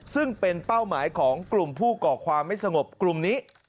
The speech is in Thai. ซึ่งเป็นเป้าหมายของกลุ่มผู้ก่อความไม่สงบกลุ่มนี้